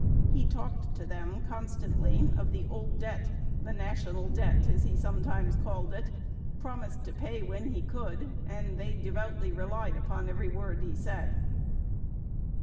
He talked to them constantly of the "old debt," "the national debt," as he sometimes called it, promised to pay when he could, and they devoutly relied upon every word he said.